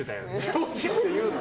女児って言うな。